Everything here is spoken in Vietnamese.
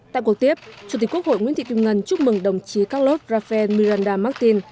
tại cuộc tiếp chủ tịch quốc hội nguyễn thị kim ngân chúc mừng đồng chí carlos rafael miranda martin